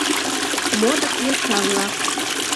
Модыт йоча-влак.